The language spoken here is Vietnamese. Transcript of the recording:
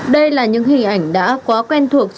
đây là những hình ảnh đã quá quen thuộc